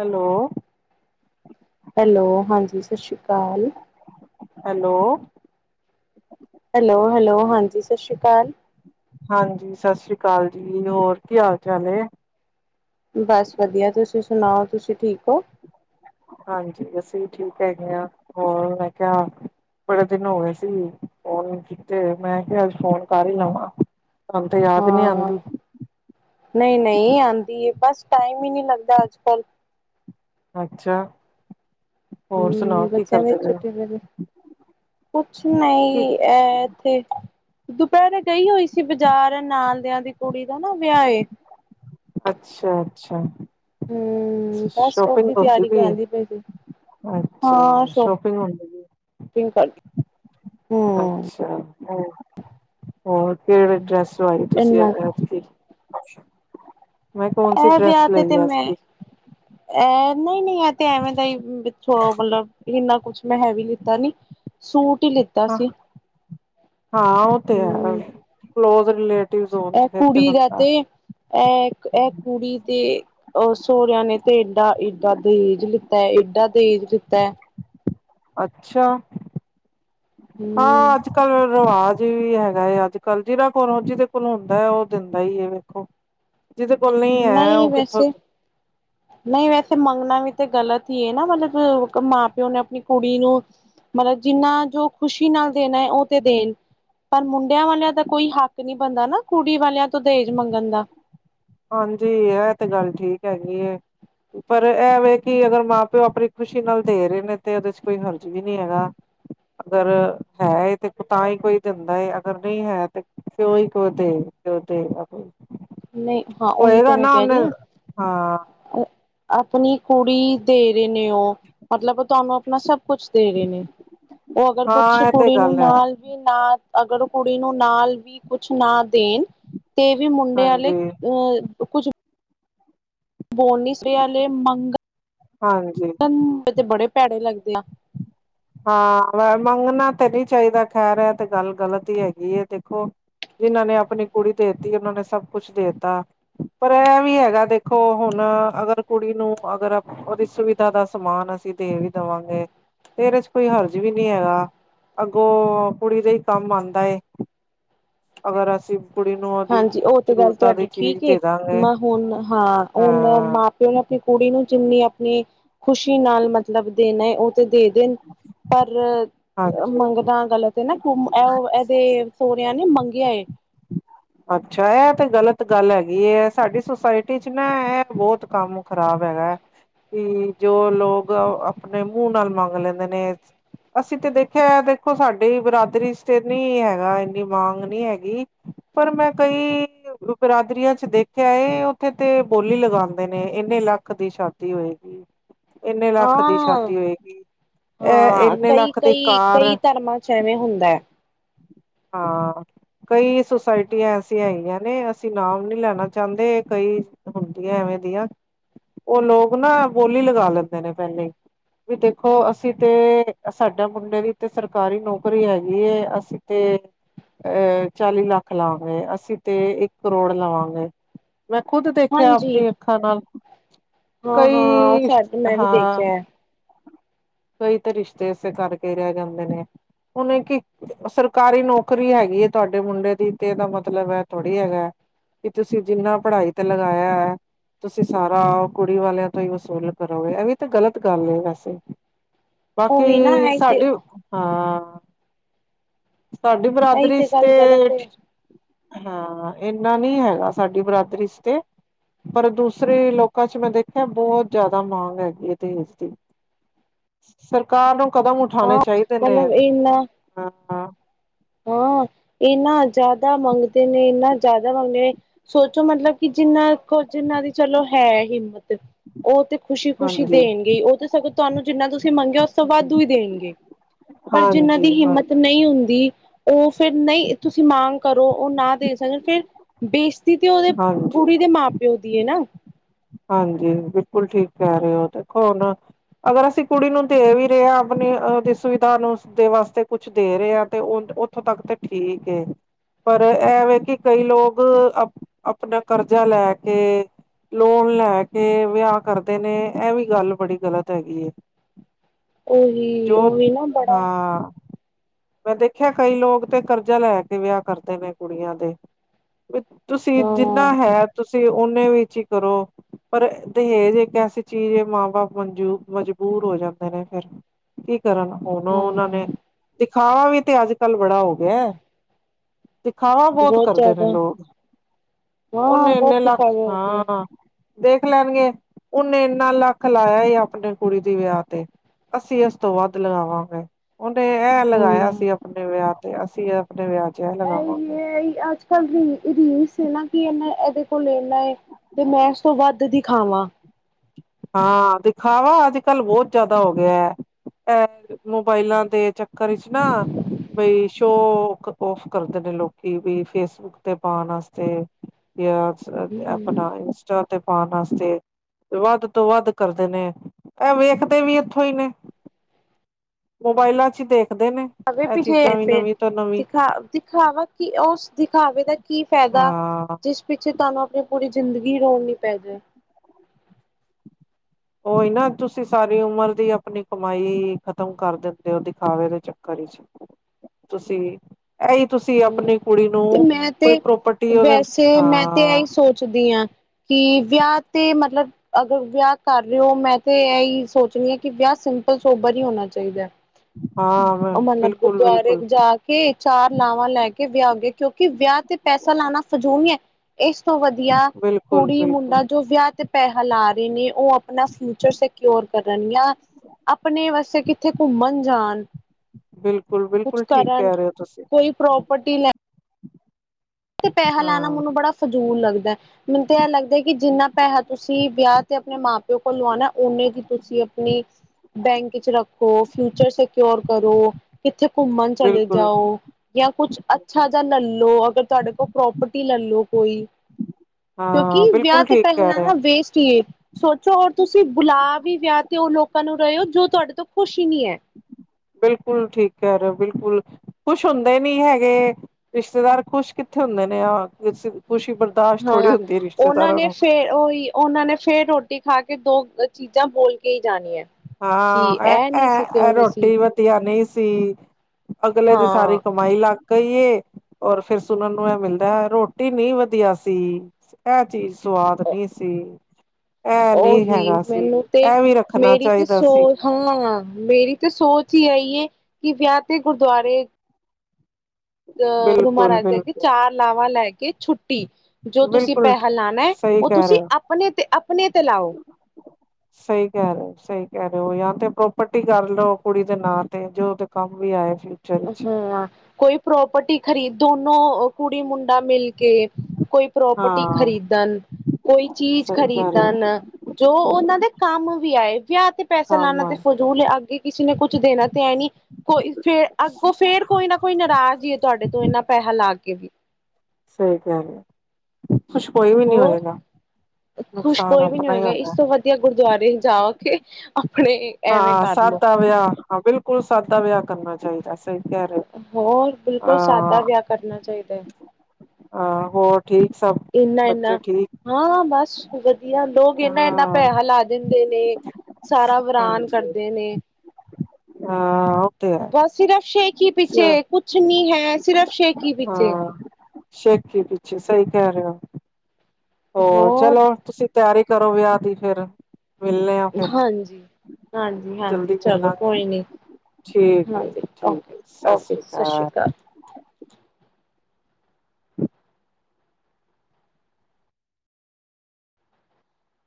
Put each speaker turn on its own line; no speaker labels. Hello.
Hello ਹਾਂਜੀ, ਸਤਿ ਸ਼੍ਰੀ ਅਕਾਲ।
Hello.
Hello, hello ਹਾਂਜੀ ਸਤਿ ਸ਼੍ਰੀ ਅਕਾਲ।
ਹਾਂਜੀ ਸਤਿ ਸ੍ਰੀ ਅਕਾਲ ਜੀ ਹੋਰ ਕੀ ਹਾਲ ਚਾਲ ਹੈ?
ਬਸ ਵਧੀਆ, ਤੁਸੀਂ ਸੁਣਾਓ ਤੁਸੀਂ ਠੀਕ ਹੋ?
ਹਾਂਜੀ, ਅਸੀਂ ਠੀਕ ਹੈਗੇ ਹਾਂ, ਹੋਰ ਮੈਂ ਕਿਹਾ? ਬੜੇ ਦਿਨ ਹੋ ਗਏ ਸੀ, ਫੋਨ ਕੀਤੇ ਮੈਂ ਕਿਹਾ ਅੱਜ 'ਫੋਨ' ਕਰ ਹੀ ਲਵਾਂ। ਤੁਹਾਨੂੰ ਤੇ ਯਾਦ ਨੀ
ਹਾਂ
ਆਂਦੀ
ਨਹੀਂ -ਨਹੀਂ ਆਉਂਦੀ ਹੈ। ਬਸ ਟਾਈਮ ਹੀ ਨਹੀਂ ਲੱਗਦਾ ਅੱਜ- ਕੱਲ
ਅੱਛਾ। ਹੋਰ ਸੁਣਾਓ
ਹਮ
ਕੀ
ਬੱਚਿਆਂ ਦੇ
ਕਰਦੇ ਪਏ ਹੋ?
ਛੁੇ ਵ ਕੁਛ
ਕੀ
ਨਹੀਂ ਹੈ ਇੱਥੇ [unintelligible] ਦੁਪਹਿਰੇ ਗਈ ਹੋਈ ਸੀ। 'ਬਾਜ਼ਾਰ' ਨਾਲਦਿਆਂ ਦੀ ਕੁੜੀ ਦਾ ਨਾ ਵਿਆਹ ਏ।
ਅੱਛਾ, ਅੱਛਾ।
ਹਮ ਬਸ
'ਸ਼ੋਪਿੰਗ'
ਉਹਦੀ
ਹੋਂਦੀ
ਤਿਆਰੀ
ਪਈ ਏ
ਕਰਾਂਦੀ ਸੀ
ਅੱਛਾ ਸ਼ੋਪਿੰਗ ਹੋਦੀ।
ਕ [unintelligible]
ਅੱਛਾ, ਹੋਰ ਕਿਹੜੇ
ਹਮ
ਡਰੈਸ ਸਵਾਈ
ਇਨਾ
ਤੁਸੀਂ? ਮੈਂ ਕੌਣ ਸੀ
ਵਿਆਹ
'ਡਰੈਸ'
ਤੇ
ਲਈ
ਤੇ
ਹੈ ਇਸ
ਮੈਂ
ਕੀ।
ਇਹ ਨਹੀਂ, ਨਹੀਂ ਆ ਤੇ ਐਵੇਂ ਦਾ ਹੀਥ ਮਤਲਬ ਇੰਨਾ ਕੁਛ ਮੈਂ ਹੈ ਵੀ ਲਿਤਾ ਨੀ। ਸੂਟ ਹੀ ਲਿੱਤਾ
ਹਾਂ
ਸੀ
ਉਹ ਤੇ ਹੈ
ਹਮ
ਕਲੋ।
ਇਹ
ਫਿਰ ਤੇ
ਕੁੜੀ ਦਾ
ਬੰਦਾ [unintelligible]
ਇਹ, ਇਹ ਕੁੜੀ ਦੇ। ਅਹ ਸੋਹੁਰਿਆਂ ਨੇ ਤੇ ਏਡਾ- ਏਡਾ 'ਦਹੇਜ' ਲਿੱਤਾ, ਏਡਾ ਦਹੇਜ ਲਿੱਤਾ।
ਅੱਛਾ।
ਹਮ [inaudible]
ਹਾਂ, ਅੱਜ - ਕੱਲ ਰਿਵਾਜ ਵੀ ਹੈਗਾ ਏ, ਅੱਜ ਕੱਲ ਜਿਹਨਾਂ ਕੋਲ ਜਿਹਦੇ ਕੋਲ ਹੁੰਦਾ ਉਹ ਦਿੰਦਾ ਹੀ ਹੈ ਵੇਖੋ। ਜਿਹਦੇ ਕੋਲ ਨ ਹੈ
ਨਹੀਂ
ਉਹ ਕਿੱਥੋਂ?
ਵੈਸੇ ਨਹੀਂ ਵੈਸੇ ਮੰਗਣਾ ਵੀ ਤੇ ਗ਼ਲਤ ਹੀ ਹੈ। ਨਾ ਮਤਲਬ ਮਾਂ - ਪਿਓ ਨੇ ਆਪਣੀ ਕੁੜੀ ਨੂੰ ਮਤਲਬ ਜਿੰਨਾ ਜੋ 'ਖ਼ੁਸ਼ੀ' ਨਾਲ ਦੇਣਾ ਹੈ ਉਹ ਤੇ ਦੇਣ। ਪਰ ਮੁੰਡਿਆਂ ਵਾਲਿਆਂ ਦਾ ਕੋਈ ਹੱਕ ਨਹੀਂ ਬਣਦਾ ਨਾ। ਕੁੜੀ ਵਾਲਿਆਂ ਤੋਂ ਦਾਜ ਮੰਗਣ ਦਾ?
ਹਾਂਜੀ, ਇਹ ਤੇ ਗੱਲ ਠੀਕ ਹੈਗੀ ਏ। ਪਰ ਇਹਵੇ ਕਿ ਅਗਰ ਮਾਂ - ਪਿਓ ਆਪਣੀ 'ਖੁਸ਼ੀ' ਨਾਲ ਦੇ ਰਹੇ ਨੇ ਤੇ ਉਹਦੇ ਚ ਕੋਈ ਹਰਜ਼ ਵੀ ਨਹੀਂ ਹੈਗਾ। ਅਗਰ ਹੈ ਤੇ ਤਾਂ ਹੀ ਕੋਈ ਦਿੰਦਾ ਹੈ। ਅਗਰ ਨਹੀਂ ਹੈ ਤੇ ਫਉਂ ਹੀ ਕੋ ਤੇ ਕਿਉਂ ਤੇ ਆਪ [unintelligible]
ਨਹੀਂ ਹਾਂ, ਉਹੀ ਤਾਂ ਮੈਂ ਕਹਿ ਰਹੀ ਹਾਂ। ਆਪਣੀ ਕੁੜੀ ਦੇ ਰਹੇ ਨੇ ਉਹ। ਮਤਲਬ ਉਹ ਤੁਹਾਨੂੰ ਆਪਣਾ ਸਭ ਕੁਛ ਦੇ ਰਹੇ ਨੇ, ਉਹ ਅਗਰ
ਹਾਂ
ਕੁਛ
ਇਹ ਤੇ
'ਕੁੜੀ' ਨੂੰ
ਗੱਲ ਹੈ
ਨਾਲ ਨਾ ਅਗਰ ਕੁੜੀ ਨੂੰ ਨਾਲ ਵੀ ਕੁਛ ਨਾ ਦੇਣ। ਤੇ ਵੀ ਮੁੰਡਿਆਂ
ਹਾਂਜੀ
ਅ ਤੇ ਕੁੱਜ ਬੋਨੀ ਸੇ ਆਲੇ ਮੰਗ
ਹਾਂਜੀ।
ਐ ਤੇ ਬੜੇ ਭੈੜੇ ਲੱਗਦੇ ਆ।
ਹਾਂ, ਮ ਮੰਗਣਾ ਤੇ ਨਹੀਂ ਚਾਹੀਦਾ ਖੈਰ, ਐ ਤੇ ਗੱਲ ਗਲਤ ਈ ਹੈਗੀ ਏ। ਦੇਖੋ ਜਿਨ੍ਹਾਂ ਨੇ ਆਪਣੀ ਕੁੜੀ ਦੇਤੀ, ਉਹਨਾਂ ਨੇ ਸਭ ਕੁੱਛ ਦੇਤਾ। ਪਰ ਐ ਵੀ ਹੈਗਾ ਦੇਖੋ, ਹੁਣ ਅਗਰ ਕੁੜੀ ਨੂੰ ਅਗਰ ਉਹਦੀ ਸੁਵਿਧਾ ਦਾ ਸਮਾਨ ਅਸੀਂ ਦੇ ਵੀ ਦਵਾਂਗੇ। ਤੇ ਇਹਰੇ 'ਚ ਕੋਈ ਹਰਜ਼ ਵੀ ਨੀ ਹੈਗਾ। ਅੱਗੋਂ ਕੁੜੀ ਦੇ ਈ ਕੰਮ ਆਂਦਾ ਏ ਅਗਰ ਅਸੀਂ ਕੁੜੀ ਨੂੰ ਉਹਦੀ
ਹਾਂਜੀ, ਉਹ ਤੇ ਗੱਲ
ਜ਼ਰੂਰਤਾਂ ਦੀ
ਤੁਹਾਡੀ
ਚੀਜ਼
ਠੀਕ ਏ।
ਦੇ ਦਾਂਗੇ
ਮ ਹੁਣ ਹਾਂ, ਹੁਣ
ਹਾਂ
ਮਾਂ ਪਿਓ ਨੇ ਆਪਣੀ ਕੁੜੀ ਨੂੰ ਜਿੰਨੀ ਆਪਣੀ ਖ਼ੁਸ਼ੀ ਨਾਲ ਮਤਲਬ ਦੇਣਾ ਐ, ਉਹ ਤੇ ਦੇ ਦੇਣ ਪਰ
ਹਾਂਜੀ
ਮੰਗਣਾ ਗਲਤ ਏ ਨਾ, ਐਹ ਐਹਦੇ ਸੋਂਰਿਆਂ ਨੇ ਮੰਗਿਆ ਏ।
[inaudible] ਅੱਛਾ, ਐਹ ਤੇ ਗ਼ਲਤ ਗੱਲ ਹੈਗੀ। ਸਾਡੀ ਸੁਸਾਇਟੀ 'ਚ ਨਾ ਇਹ ਬਹੁਤ ਕੰਮ ਖ਼ਰਾਬ ਹੈਗਾ। ਪੀ, ਜੋ ਲੋਗ ਆਪਣੇ ਮੂੰਹ ਨਾਲ ਮੰਗ ਲੈਂਦੇ ਨੇ ਅਸੀਂ ਤੇ ਦੇਖਿਆ ਦੇਖੋ, ਸਾਡੀ ਬਰਾਦਰੀ 'ਚ ਤੇ ਨੀ ਹੈਗਾ। ਇੰਨੀ ਮਾਂਗ ਨਹੀਂ ਹੈਗੀ। ਪਰ ਮੈਂ ਕਈ ਬਿਰਾਦਰੀਆਂ 'ਚ ਦੇਖਿਆ ਏ, ਉੱਥੇ ਤੇ ਬੋਲੀ ਲਗਾਉਂਦੇ ਨੇ, ਇੰਨੇ ਲੱਖ ਦੀ ਸ਼ਾਦੀ ਹੋਏਗੀ। ਇੰਨੇ ਲੱਖ ਦੀ
ਹਾਂ
ਸ਼ਾਦੀ ਹੋਏਗੀ। ਐਹ ਇੰਨੇ ਲੱਖ ਦੀ ਕਾਰ
ਅੱਛਾ ਇਵੇਂ ਹੁੰਦਾ।
ਹਾਂ, ਕਈ ਸੁਸਾਇਟੀਆਂ ਐਸੀਆਂ ਹੈਗੀਆਂ ਨਹੀ ਅਸੀਂ ਨਾਮ ਨੀ ਲੈਣਾ ਚਾਹੁੰਦੇ। ਕਈ ਹੁੰਦੀਆਂ ਐਵੇਂ ਦੀਆਂ ਉਹ ਲੋਗ ਨਾ, ਬੋਲੀ ਲਗਾ ਲੈਂਦੇ ਨੇ ਪਹਿਲੇ ਈ। ਵੀ ਦੇਖੋ ਅਸੀਂ ਤੇ ਸਾਡੇ ਮੁੰਡੇ ਦੀ ਤੇ ਸਰਕਾਰੀ ਨੌਕਰੀ ਹੈਗੀ ਏ। ਅਸੀਂ ਤੇ ਅ ਚਾਲ਼ੀ ਲੱਖ ਲਾਂਘੇ। ਅੱਸੀਂ ਤੇ ਇੱਕ ਕਰੋੜ ਲਵਾਂਗੇ। ਮੈਂ ਖੁਦ ਦੇਖਿਆ,
ਹਾਂਜੀ
ਆਪਣੀਆਂ ਅੱਖਾਂ ਨਾਲ
ਹਾਂ ਹਾਂ
ਕਈ,
ਸਾਡੇ ਮੈਂ ਵੀ
ਹਾਂ
ਦੇਖਿਆ
ਕਈ ਤੇ ਰਿਸ਼ਤੇ ਇਸੇ ਕਰਕੇ ਰਹਿ ਜਾਂਦੇ ਨੇ, ਹੁਨ ਏ ਕੀ ਸਰ ਸਰਕਾਰੀ ਨੌਕਰੀ ਹੈਗੀ ਏ ਤੁਹਾਡੇ ਮੁੰਡੇ ਦੀ ਤੇ ਇਹਦਾ ਮਤਲਬ ਐ ਥੋੜ੍ਹੀ ਹੈਗਾ ਕੀ ਤੁਸੀਂ ਜਿੰਨਾ ਪੜ੍ਹਾਈ ਤੇ ਲਗਾਇਆਂ ਤੁਸੀਂ ਸਾਰਾ ਕੁੜੀ ਵਾਲਿਆਂ ਤੋਂ ਈ ਵਸੂਲ ਕਰੋਗੇ। ਇਹ ਵੀ ਤੇ ਗ਼ਲਤ ਗੱਲ ਏ ਵੈਸੇ।
ਉਹੀ ਨਾ
ਬਾਕੀ
ਇਹੀ ਤੇ
ਸਾਡੀ, ਹਾਂ ਸਾਡੀ
ਇਹੀ
ਬਰਾਦਰੀ 'ਚ ਤੇ
ਗੱਲ ਗਲਤ ਹੈ
ਹਾਂ, ਏਨਾ ਨੀ ਹੈਗਾ ਸਾਡੀ ਬਰਾਦਰੀ 'ਚ ਤੇ ਪਰ ਦੂਸਰੇ ਲੋਕਾਂ 'ਚ ਮੈਂ ਦੇਖਿਆ, ਬਹੁਤ ਜ਼ਿਆਦਾ ਮਾਂਗ ਹੈਗੀ ਏ, ਦਹੇਜ ਦੀ। ਸਰਕਾਰ ਨੂੰ ਕਦਮ
ਹਾਂ
ਉਠਾਉਣੇ ਚਾਹੀਦੇ ਨੇ।
ਮਤਲਬ ਇੰਨਾ ਹਾਂ, ਏਨਾ ਜ਼ਿਆਦਾ ਮੰਗਦੇ ਨੇ, ਏਨਾ ਜ਼ਿਆਦਾ ਮੰਗਦੇ ਨੇ ਸੋਚੋ ਮਤਲਬ ਕਿ, ਜਿੰਨਾ ਕੁ ਜਿੰਨਾਂ ਦੀ ਚਲੋ ਹੈ ਹਿੰਮਤ ਉਹ ਤੇ ਖੁਸ਼ੀ-ਖੁਸ਼ੀ
ਹਾਂਜੀ
ਦੇਣਗੇ ਈ। ਉਹ ਤੇ ਸਗੋਂ ਤੁਹਾਨੂੰ ਜਿੰਨਾ ਤੁਸੀਂ ਮੰਗਿਆ ਉਸ ਤੋਂ ਵਾਧੂ ਈ ਦੇਣਗੇ। ਪਰ ਜਿੰਨ੍ਹਾਂ ਦੀ
ਹਾਂਜੀ ਹਾਂਜੀ
ਹਿੰਮਤ ਨਹੀਂ ਹੁੰਦੀ ਉਹ ਫਿਰ ਨਹੀਂ, ਤੁਸੀਂ ਮਾਂਗ ਕਰੋ ਉਹ ਨਾ ਦੇ ਸਕਣ ਫਿਰ ਬੇਜ਼ਤੀ ਤੇ ਉਹਦੇ,
ਹਾਂਜੀ
ਕੁੜੀ ਦੇ ਮਾਂ ਪਿਓ ਦੀ ਏ ਨਾ।
ਹਾਂਜੀ, ਬਿਲਕੁਲ ਠੀਕ ਕਹਿ ਰਹੇ ਓ, ਦੇਖੋ ਹੁਣ ਅਗਰ ਅਸੀਂ ਕੁੜੀ ਨੂੰ ਦੇ ਵੀ ਰਹੇ ਆਂ ਆਪਣੀ ਦੀ ਸੁਵਿਧਾ ਨੂੰ, ਦੇ ਵਾਸਤੇ ਕੁਛ ਦੇ ਰਹੇ ਆਂ ਤੇ ਉੱਥੋਂ ਤੱਕ ਤਾਂ ਠੀਕ ਏ ਪਰ ਐਵੇ ਕਿ ਕਈ ਲੋਕ ਅ ਆਪਣਾ ਕਰਜ਼ਾ ਲੈ ਕੇ ਲੋਨ ਲੈ ਕੇ ਵਿਆਹ ਕਰਦੇ ਨੇ, ਏਹ ਵੀ ਗੱਲ ਬੜੀ ਗਲਤ ਹੈਗੀ।
ਉਹੀ
ਜੋ,
ਉਹੀ ਨਾ ਬੜਾ
ਹਾਂ ਮੈਂ ਦੇਖਿਆ ਕਈ ਲੋਕ ਤੇ ਕਰਜ਼ਾ ਲੈ ਕੇ ਵਿਆਹ ਕਰਦੇ ਨੇ ਕੁੜੀਆਂ ਦੇ। ਵੀ ਤੁਸੀਂ ਜਿੰਨਾ
ਹਾਂ
ਹੈ, ਤੁਸੀਂ ਓੱਨੇ ਵਿੱਚ ਹੀ ਕਰੋ। ਪਰ ਦਹੇਜ ਏੱਕ ਐਸੀ ਚੀਜ਼ ਹੈ, ਮਾਂ-ਬਾਪ ਮਂਜੂ ਮਜਬੂਰ ਹੋ ਜਾਂਦੇ ਨੇ ਫੇਰ। ਕੀ ਕਰਨ ਹੁਣ ਓਹਨਾਂ ਨੇ,
ਹਾਂ
ਦਿਖਾਵਾ ਵੀ ਤੇ ਅੱਜ-ਕੱਲ ਬੜਾ ਹੋ ਗਿਆ। ਦਿਖਾਵਾ ਬਹੁਤ ਕਰਦੇ ਨੇ ਲੋਕ,
ਹਾਂ
ਓਨੇ
ਬਹੁਤ
ਇੰਨੇ
ਦਿਖਾਵਾ
ਲੱਖ
ਹੋ ਗਿਆ
ਹਾਂ ਦੇਖ ਲੈਣਂਗੇ, ਉਹਨੇ ਇੱਨਾ ਲੱਖ ਲਾਇਆ ਹੀ, ਆਪਣੇ ਕੁੜੀ ਦੇ ਵਿਆਹ ਤੇ। ਅਸੀਂ ਏਸ ਤੋਂ ਵੱਧ ਲਗਾਵਾਂਗੇ। ਓਹਨੇ ਏਹ ਲਗਾਇਆ
ਹੂੰ
ਸੀ ਆਪਣੇ ਵਿਆਹ ਤੇ, ਅਸੀਂ ਆਪਣੇ ਵਿਆਹ ਚ ਏਹ ਲਗਾਵਾਂਗੇ।
ਇਹ ਈ ਅੱਜ ਐਦੀ ਇਹਦੀ ਇਹ ਸੀ ਨਾ ਕੀ, ਇਹਨਾ ਐਹਦੇ ਕੋਲ ਐਨਾ ਏ ਤੇ ਮੈਂ ਇਸ ਤੋਂ ਵੱਧ ਦਿਖਾਵਾਂ।
ਹਾਂ, ਦਿਖਾਵਾ ਅੱਜ-ਕੱਲ ਬਹੁਤ ਜਿਆਦਾ ਹੋ ਗਿਐ। ਐਹ ਮੋਬਾਇਲਾਂ ਦੇ ਚੱਕਰ ਇਚ ਨਾ, ਬਈ ਸ਼ੋਕ ਓਫ ਕਰਦੇ ਨੇ ਲੋਕੀ ਵੀ ਫੇਸਬੁੱਕ ਤੇ ਪਾਣ ਆਸਤੇ ਯਾ ਤੇ
ਹੂੰ
ਆਪਣਾ ਇੰਸਟਾ ਤੇ ਪਾਣ ਆਸਤੇ ਵੱਧ ਤੋਂ ਵੱਧ ਕਰਦੇ ਨੇ, ਐਹ ਵੇਖਦੇ ਵੀ ਐੱਥੋਂ ਈ ਨੇ। ਮੋਬਾਇਲਾਂ ਚ ਦੇਖਦੇ ਨੇ ਇਹ ਚੀਜ਼ਾਂ ਵੀ
[inaudible]
ਨਵੀਂ ਤੋਂ ਨਵੀਂ
ਦਿਖਾਵਾ ਕੀ, ਓਸ ਦਿਖਾਵੇ ਦਾ ਕੀ ਫਾਇਦਾ
ਹਾਂ
ਜਿਸ ਪਿੱਛੇ ਤੁਹਾਨੂੰ ਆਪਣੀ ਪੂਰੀ ਜ਼ਿੰਦਗੀ ਰੋਲਨੀ ਪੈਜੇ।
ਓਹੀ ਨਾ ਤੁਸੀਂ ਸਾਰੀ ਉਮਰ ਦੀ ਆਪਣੀ ਕਮਾਈ ਖਤਮ ਕਰ ਦੇਂਦੇ ਓ, ਦਿਖਾਵੇ ਦੇ ਚੱਕਰ ਇਚ। ਤੁਸੀਂ ਐਹੀ ਤੁਸੀਂ
ਹੂੰ
ਆਪਣੀ ਕੁੜੀ
ਤੇ
ਨੂੰ,
ਮੈਂ
ਕੋਈ
ਤੇ
ਪ੍ਰੋਪਰਟੀ ਓਹਦੇ, ਹਾਂ
ਪੁੱਛਦੀ ਆਂ, ਕਿ ਵਿਆਹ ਤੇ ਮਤਲਬ ਅਗਰ ਵਿਆਹ ਕਰ ਰਹੇ ਹੋ, ਮੈਂ ਤੇ ਏਹੀ ਸੋਚਣੀ ਆ ਕਿ ਵਿਆਹ ਸਿੰਪਲ ਸੋਬਰ ਈ ਹੋਣਾ ਚਾਹੀਦਾ।
ਹਾਂ ਮੈਂ
ਓ ਮਤਲਬ
ਬਿਲਕੁਲ
ਗੁਰਦੁਆਰੇ
ਬਿਲਕੁਲ
ਜਾ ਕੇ ਕੇ ਚਾਰ ਲਾਵਾਂ ਲੈ ਕੇ ਵਿਆਹ ਹੋ ਗਏ, ਕਿਉਂਕਿ ਵਿਆਹ ਤੇ ਪੈਸਾ ਲਾਣਾ ਫਜੂਲ ਇ ਐ। ਏਸ ਤੋਂ ਵਧੀਆ
ਬਿਲਕੁਲ ਬਿਲਕੁਲ
ਕੁੜੀ-ਮੁੰਡਾ ਜੋ ਵਿਆਹ ਤੇ ਪੈਸਾ ਲਾ ਰਹੇ ਨੇ ਓਹ ਆਪਣਾ ਫਿਊਚਰ ਸਿਕਓਰ ਕਰਨ ਯਾ ਆਪਣੇ ਵਾਸਤੇ ਕਿੱਥੇ ਘੁੰਮਣ ਜਾਣ।
ਬਿਲਕੁਲ ਬਿ
ਕੁਛ ਕਰਨ, ਕੋਈ ਪ੍ਰੋਪਰਟੀ ਲੈ ਤੇ ਪੈਹਾ ਲਾਣਾ
ਹਾਂ
ਮੈਨੂੰ ਬੜਾ ਫਜੂਲ ਲੱਗਦੈ। ਮੈਨੂੰ ਤਾਂ ਏਹ ਲੱਗਦਾ ਕਿ ਜਿੰਨਾ ਪੈਹਾ ਤੁਸੀਂ ਵਿਆਹ ਤੇ ਆਪਣੇ ਮਾਂ-ਪਓ ਕੋਲ ਲਵਾਣੈ, ਓਨੇ ਦੀ ਤੁਸੀਂ ਆਪਣੀ ਬੈਂਕ ਇਚ ਰੱਖੋ, ਫਿਊਚਰ ਸਿਕਓਰ ਕਰੋ। ਕਿੱਥੇ ਘੁੰਮਣ ਚਲੇ
ਬਿਲਕੁਲ
ਜਾਓ, ਯਾ ਕੁੱਛ ਅੱਛਾ ਜੇਹਾ ਲੈਲੋ ਅਗਰ ਤੁਹਾਡੇ ਕੋਲ ਪ੍ਰੋਪਟੀ ਲੈਲੋ ਕੋਈ ਕਿਉਂਕਿ
ਹਾਂ
ਵਿਆਹ
ਬਿਲਕੁਲ
ਤੇ
ਠੀਕ
ਪੈਹਾ
ਕਹਿ ਰਹੇ
ਲਾਨਾ
ਹੋ
ਵੇਸਟ ਈ ਏ। ਸੋਚੋ ਔਰ ਤੁਸੀਂ ਬੁਲਾ ਵੀ ਵਿਆਹ ਤੇ ਓਹ ਲੋਕਾਂ ਨੂੰ ਰਹੇ ਓ, ਜੋ ਤੁਹਾਡੇ ਤੋਂ ਖੁਸ਼ ਹੀ ਨੀ ਐ।
ਬਿਲਕੁਲ ਠੀਕ ਕਹਿ ਰਹੇ ਓ, ਬਿਲਕੁਲ ਖੁਸ਼ ਹੁੰਦੇ ਨੀ ਹੈਗੇ, ਰਿਸ਼ਤੇਦਾਰ ਖੁਸ਼ ਕਿੱਥੇ ਹੁੰਦੇ ਨੇ ਆ ਖੁਸ਼ੀ ਬਰ
ਹਾਂ, ਓਨਾਂ ਨੇ ਫੇਰ, ਉਹੀ ਓਨਾਂ ਨੇ ਫੇਰ ਰੋਟੀ ਖਾ ਕੇ, ਦੋ ਚੀਜ਼ਾਂ ਬੋਲ ਕੇ ਹੀ ਜਾਣੀਆਂ। ਕਿ
ਹਾਂ,
ਇਹ ਨਹੀਂ ਸੀ
ਏਹ
ਤੇ
ਐ
ਉਹ ਨਹੀਂ ਸੀ
ਰੋਟੀ ਵ ਵਧੀਆ ਨਹੀਂ ਸੀ, ਅਗਲੇ ਦੀ ਸਾਰੀ
ਹਾਂ
ਕਮਾਈ ਲੱਗ ਕਹੀਏ, ਔਰ ਫੇਰ ਸੁਣਨ ਨੂੰ ਏਹ ਮਿਲਦਾ, ਰੋਟੀ ਨਹੀਂ ਵਧੀਆ ਸੀ। ਏਹ ਚੀਜ਼ ਸਵਾਦ ਨਹੀਂ ਸੀ, ਐ ਨੀ
ਉਹੀ
ਹੈਗਾ ਸੀ,
ਮੈਨੂੰ ਤੇ
ਐ ਵੀ ਰੱਖਣਾ
ਮੇਰੀ ਤੇ
ਚਾਹੀਦਾ
ਸੋ
ਸੀ
ਹਾਂ, ਮੇਰੀ ਤੇ ਸੋਚ ਹੀ ਆਈ ਹੈ, ਕਿ ਵਿਆਹ ਤੇ ਗੁਰਦੁਆਰੇ ਅ ਗੁਰੂ
ਬਿਲਕੁਲ
ਮਹਾਰਾਜ ਦੇ ਅੱਗੇ
ਬਿਲਕੁਲ
ਚਾਰ ਲਾਵਾਂ ਲੈ ਕੇ, ਛੁੱਟੀ ਜੋ ਤੁਸੀਂ
ਬਿਲਕੁਲ
ਪੈਸਾ ਲਾਂਣਾ ਹੈ,
ਸਹੀ
ਓ
ਕਹਿ
ਤੁਸੀਂ
ਰਹੇ ਹੋ
ਆਪਣੇ ਤੇ ਆਪਣੇ ਤੇ ਲਾਓ।
[unintelligible] ਸਹੀ ਕਹਿ ਰਹੇ ਓ-ਸਹੀ ਕਹਿ ਰਹੇ ਓ ਜਾਂ ਤੇ ਪ੍ਰੋਪਰਟੀ ਕਰਲੋ, ਕੁੜੀ ਦੇ ਨਾਂ ਤੇ ਜੋ ਓਦੇ ਕੰਮ ਵੀ ਆਏ ਫੇਰ।
ਹਾਂ, ਕੋਈ ਪ੍ਰੋਪਰਟੀ ਖਰੀਦੋ, ਦੋਨੋ ਕੁੜੀ-ਮੁੰਡਾ ਮਿਲ ਕੇ ਕੋਈ ਪ੍ਰੋਪਰਟੀ
ਹਾਂ
ਖਰੀਦਣ, ਕੋਈ ਚੀਜ਼
ਸਹੀ ਕਹਿ ਰਹੇ ਹੋ
ਖਰੀਦਣ। ਜੋ ਓਨਾਦੇ ਕੰਮ ਵੀ ਆਏ, ਵਿਆਹ ਤੇ ਪੈਸਾ
ਕੰਮ
ਲਾਣਾ ਤੇ
ਆਏ
ਫ ਜੋ ਲਿਆ, ਆਗੇ ਕਿਸੇ ਨੇ ਕੁੱਛ ਦੇਣਾ ਤੇ ਹੈਨੀ, ਕੋਈ ਫੇਰ ਅੱਗੋਂ ਫੇਰ ਕੋਈ ਨਾ ਕੋਈ ਨਾਰਾਜ਼ ਈ ਐ, ਤੁਹਾਡੇ ਤੋਂ ਏਨਾ ਪੈਸਾ ਲਾ ਕੇ ਵੀ।
ਸਹੀ ਕੈਹ ਰਹੇ ਓ, ਖੁੱਸ ਕੋਈ ਵੀ ਨੀ
ਹੋਰ
ਹੋਏਗਾ।
ਖੁਸ਼
ਨੁਕਸਾਨ
ਕੋਈ ਵੀ ਨੀ
ਆਪਣਾ ਹੀ
ਹੋਏਗਾ, ਏਸ
ਹੋਣਾ
ਤੋਂ ਵਧੀਆ ਗੁਰਦੁਆਰੇ ਜਾ ਆਓ, ਕੇ ਆਪਣੇ। ਐਵੇਂ
ਹਾਂ
ਕਰ ਲੋ
ਸਾਦਾ ਵਿਆਹ ਹਾਂ, ਬਿਲਕੁਲ ਸਾਦਾ ਵਿਆਹ ਕਰਨਾ ਚਾਹੀਦਾ, ਸਈ ਕੈਹ ਰਹੇ ਓ।
ਹੋਰ, ਬਿਲਕੁਲ ਸਾਦਾ ਵਿਆਹ ਕਰਨਾ ਚਾਹੀਦਾ ਹੈ।
ਹਾਂ, ਹੋਰ ਠੀਕ ਸਭ? ਬੱਚੇ
ਏਨਾ-ਏਨਾ।
ਠੀਕ
ਹਾਂ, ਬਸ ਵਧੀਆ, ਲੋਕ ਏਨਾ-ਏਨਾ
ਹਾਂ
ਪੈਸਾ ਲਾ ਦਿੰਦੇ ਨੇ, ਸਾਰਾ ਰਾਨ
ਹਾਂਜੀ
ਕਰਦੇ ਨੇ।
ਹਾਂ, ਓ ਤੇ। ਹੈ
ਬਸ ਸਿਰਫ ਸ਼ੇਖੀ ਹੀ ਪੀਛੇ ਕੁਛ ਨੀ ਹੈ, ਸਿਰਫ ਸੇ਼ਖੀ ਪੀਛੇ।
ਸ਼ੇਖੀ ਪਿੱਛੇ, ਸਹੀ ਕਹਿ ਰਹੇ ਓ। ਹੋਰ ਚਲੋ, ਤੁਸੀਂ ਤਿਆਰੀ ਕਰੋ, ਵਿਆਹ ਦੀ ਫੇਰ‌। ਮਿਲਨੇ ਆ ਫੇਰ,
ਹਾਂਜੀ ਹਾਂਜੀ ਹਾਂਜੀ
ਜਲਦੀ ਮਿਲ
ਚਲੋ
ਲਾਂਗੇ‌।
ਕੋਈ ਨੀ
ਠੀਕ
ਹਾਂਜੀ
ਐ-ਠੀਕ
ਓਕੇ
ਐ, ਸਤਿ
ਓਕੇ
ਸ਼੍ਰੀ
ਜੀ ਸਤਿ
ਅਕਾਲ। [unintelligible]